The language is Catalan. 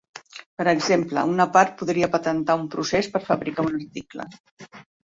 Per exemple, una part podria patentar un procés per fabricar un article.